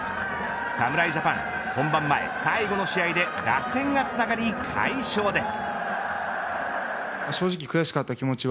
侍ジャパン本番前最後の試合で打線がつながり、快勝です。